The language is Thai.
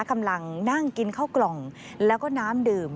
กำลังนั่งกินข้าวกล่องแล้วก็น้ำดื่ม